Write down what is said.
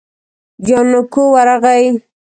جانکو ورغی.